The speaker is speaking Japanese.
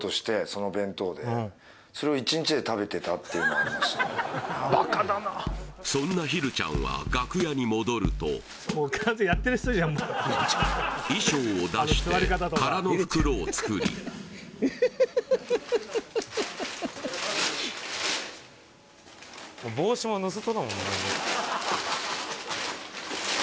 はいそんなひるちゃんは楽屋に戻ると衣装を出して空の袋を作り帽子も盗人だもんね